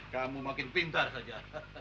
kamu makin pintar saja